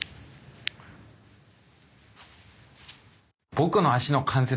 ボクの足の関節